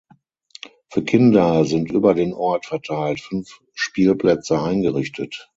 Für Kinder sind über den Ort verteilt fünf Spielplätze eingerichtet.